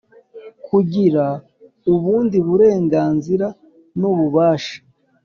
Kugira ubundi burenganzira n ububasha